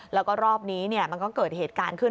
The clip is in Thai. แล้วก็รอบนี้มันก็เกิดเหตุการณ์ขึ้น